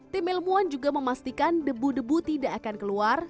tim ilmuwan juga memastikan debu debu tidak akan keluar